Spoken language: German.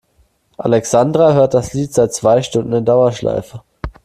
Alexandra hört das Lied seit zwei Stunden in Dauerschleife.